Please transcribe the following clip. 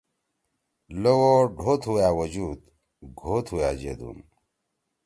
لوو ڈھو تُھو أ وجود، گھو تُھو أ جیدُون